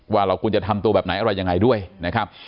ว่าเราควรจะทำตัวแบบไหนอะไรยังไงด้วยนะครับ